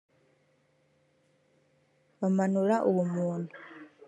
bamanura uwo muntu